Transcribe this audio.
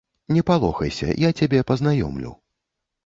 Не палохайся, я цябе пазнаёмлю.